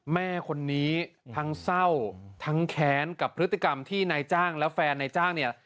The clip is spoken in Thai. แม่คนนี้ทั้งเศร้าทั้งแค้นกับพฤติกรรมที่นายจ้างและแฟนนายจ้างเนี่ย